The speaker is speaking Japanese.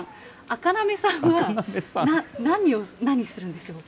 あかなめさんは、何を、何するんでしょう？